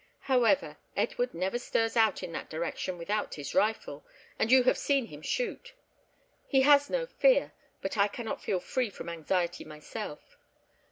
However, Edward never stirs out in that direction without his rifle, and you have seen him shoot. He has no fear, but I cannot feel free from anxiety myself.